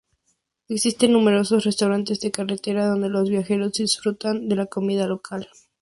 Existen numerosos restaurantes de carretera donde los viajeros disfrutan de la comida local.